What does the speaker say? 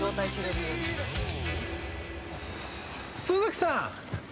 鈴木さん。